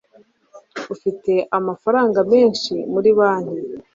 afite amafaranga menshi muri banki